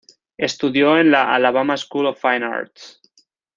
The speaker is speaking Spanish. Estudió en la Alabama School of Fine Arts.